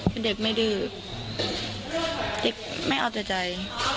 เป็นเด็กไม่ดื้อเด็กไม่เอาแต่ใจ